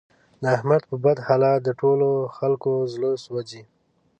د احمد په بد حالت د ټول خکلو زړه سوځي.